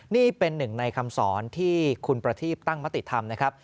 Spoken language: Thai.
นี่เป็นหนึ่งในคำสอนที่คุณประทีปตั้งมติธรรมนะครับ